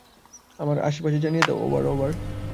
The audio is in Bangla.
আমার আদেশ জানিয়ে দাও, ওভার ওভার।